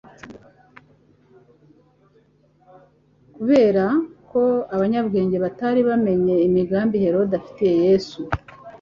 Kubera ko abanyabwenge batari bamenye imigambi Herode afitiye Yesu,